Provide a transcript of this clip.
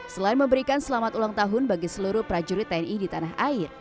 selain memberikan selamat ulang tahun bagi seluruh prajurit tni di tanah air